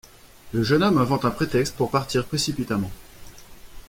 Le jeune homme invente un prétexte pour partir précipitamment.